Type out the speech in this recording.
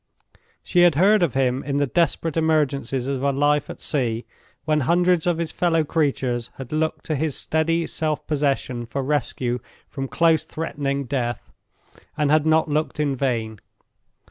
She had heard of him in the desperate emergencies of a life at sea, when hundreds of his fellow creatures had looked to his steady self possession for rescue from close threatening death—and had not looked in vain.